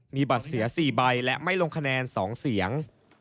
มีบัตรเสีย๔ใบและไม่ลงคะแนน๒เสียง